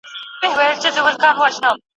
دردونه ژبه نه لري چي خلک وژړوم